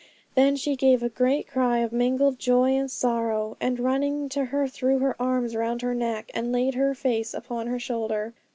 Then she gave a great cry of mingled joy and sorrow, and running to her threw her arms round her neck, and laid her face upon her shoulder.